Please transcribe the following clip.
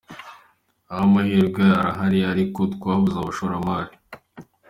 Ayo mahirwe arahari ariko twabuze abashoramari”.